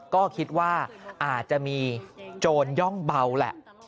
ก็คิดว่าอาจจะมีโจรย่องเบาแหละ